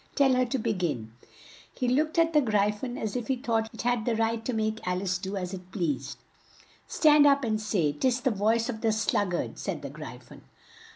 Tell her to be gin." He looked at the Gry phon as if he thought it had the right to make Al ice do as it pleased. "Stand up and say, 'Tis the voice of the Slug gard,'" said the Gry phon.